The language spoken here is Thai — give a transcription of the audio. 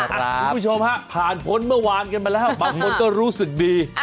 คุณผู้ชมฮะผ่านพ้นเมื่อวานกันมาแล้วบางคนก็รู้สึกดี